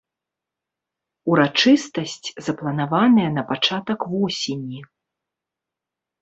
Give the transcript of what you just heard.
Урачыстасць запланаваная на пачатак восені.